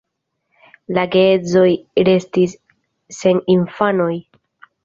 La geedzoj restis sen infanoj.